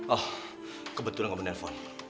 oh kebetulan gue menelepon